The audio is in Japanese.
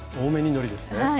多めにのりですね。